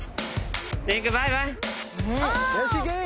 よし行け！